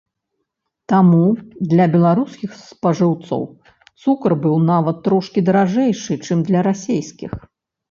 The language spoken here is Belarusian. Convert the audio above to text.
Таму для беларускіх спажыўцоў цукар быў нават трошкі даражэйшы, чым для расейскіх.